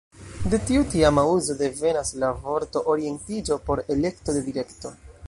De tiu tiama uzo devenas la vorto ""orientiĝo"" por ""elekto de direkto"".